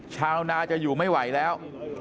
ชาวนาจะอยู่ไม่ไหวแล้ว